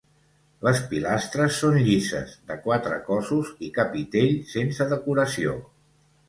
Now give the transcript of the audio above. Les pilastres són llises, de quatre cossos i capitell sense decoració.